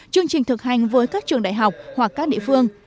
chương trình thực hành với các trường đại học hoặc các địa phương